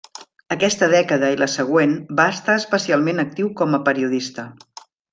Aquesta dècada i la següent va estar especialment actiu com a periodista.